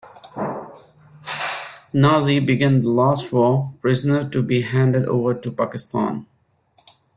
Niazi being the last war prisoner to be handed over to Pakistan.